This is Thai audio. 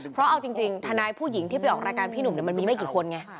เพราะเอาจริงทนายผู้หญิงที่ไปออกรายการพี่หนุ่มมันมีไม่กี่คนไง